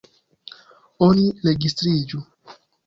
Oni registriĝu.